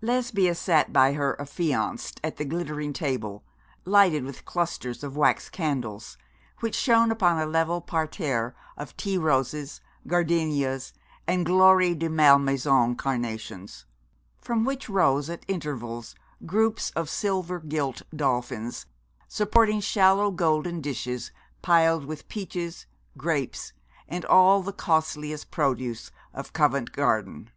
Lesbia sat by her affianced at the glittering table, lighted with clusters of wax candles, which shone upon a level parterre of tea roses, gardenias, and gloire de Malmaison carnations; from which rose at intervals groups of silver gilt dolphins, supporting shallow golden dishes piled with peaches, grapes, and all the costliest produce of Covent Garden.